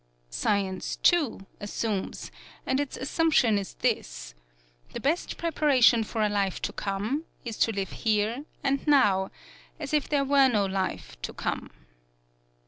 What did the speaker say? Science, too, assumes, and its assumption is this: The best preparation for a life to come is to live here and now as if there were no life to come.